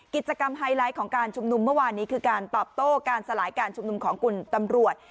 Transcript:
ไฮไลท์ของการชุมนุมเมื่อวานนี้คือการตอบโต้การสลายการชุมนุมของคุณตำรวจ